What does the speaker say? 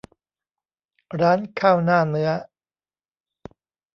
ร้านข้าวหน้าเนื้อ